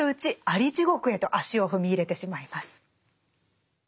アリ地獄へと足を踏み入れてしまいます。